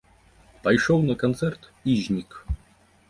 Пайшоў на канцэрт, і знік.